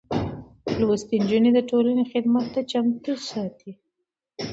لوستې نجونې د ټولنې خدمت ته چمتو ساتي.